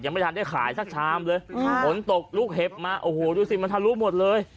ไม่ทันได้ขายสักชามเลยค่ะฝนตกลูกเห็บมาโอ้โหดูสิมันทะลุหมดเลย